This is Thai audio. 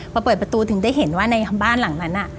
พอเปิดประตูถึงได้เห็นว่าในบ้านหลังนั้น